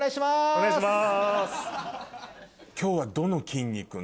お願いします。